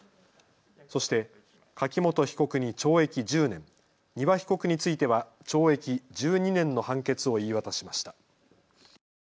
そして柿本被告に懲役１０年、丹羽被告については懲役１２年の判決を言い渡しました。